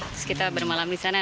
terus kita bermalam di sana